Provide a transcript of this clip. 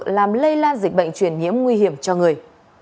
làm lây lan dịch bệnh truyền nhiễm nguy hiểm cho người